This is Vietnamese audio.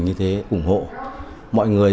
như thế ủng hộ mọi người